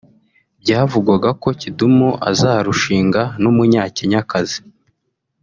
Byavugwaga ko Kidumu azarushinga n’Umunyakenyakazi